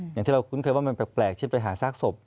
อย่างที่เราคุ้นเคยว่ามันแปลกเช่นไปหาซากศพ